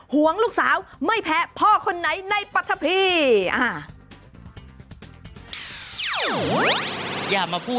ห่วงลูกสาวไม่แพ้พ่อคนไหนในปรัฐพี